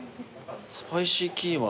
スパイシーキーマ。